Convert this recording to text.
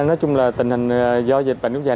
nói chung là tình hình do dịch bệnh nước dài